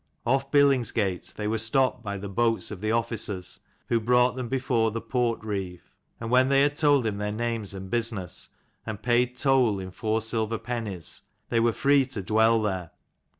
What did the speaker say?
Off Billingsgate they were stopped by the boats of the officers, who brought them before the port reeve : and when they had told him their names and business, and paid toll in four silver pennies, they were free to dwell there.